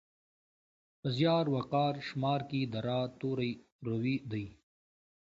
په زیار، وقار، شمار کې د راء توری روي دی.